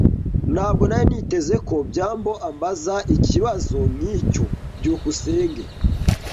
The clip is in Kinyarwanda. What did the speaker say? Ntabwo nari niteze ko byambo ambaza ikibazo nkicyo. byukusenge